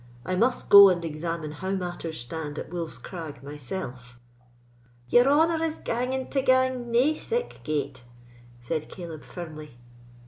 I must go and examine how matters stand at Wolf's Crag myself." "Your honour is ganging to gang nae sic gate," said Caleb, firmly.